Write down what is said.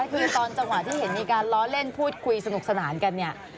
คือตอนจังหวะที่เห็นมีการล้อเล่นพูดคุยสนุกสนานกันเนี่ย